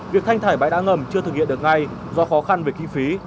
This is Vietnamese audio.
việc thanh thải bãi đá ngầm chưa thực hiện được ngay do khó khăn về kinh phí